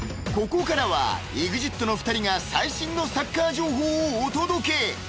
［ここからはＥＸＩＴの二人が最新のサッカー情報をお届け］